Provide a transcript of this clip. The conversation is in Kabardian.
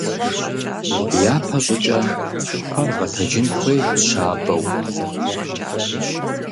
ЯпэщӀыкӀэ фэр гъэтэджын хуейт щабэу.